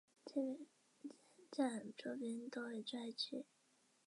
车站周边多为住宅区。